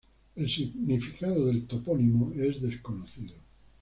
El significado del topónimo es desconocido.